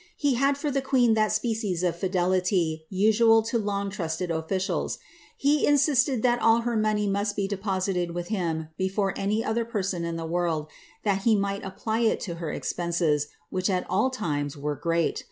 He had for the queen that species of fidelity usual to long trusted officials. He insisted that all her money must be deposited with him before any other person in the world, that he might apply it to her expenses, which at all times were preat.